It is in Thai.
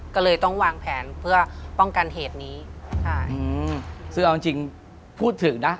ก็เลยต้องวางแผนเพื่อป้องกันเหตุนี้ค่ะอืมซึ่งเอาจริงจริงพูดถึงนะ